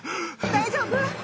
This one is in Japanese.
大丈夫？